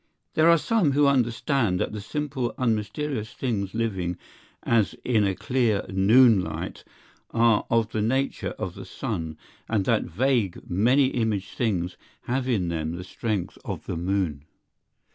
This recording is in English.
There are some who understand that the simple unmysterious things living as in a clear noon light are of the nature of the sun, and that vague many imaged things have in them the strength of the moon.